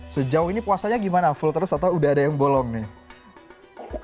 sejauh ini puasanya gimana full terus atau udah ada yang bolong nih